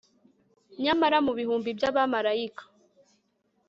nyamara, mu bihumbi by'abamalayika